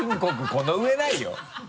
この上ないよ。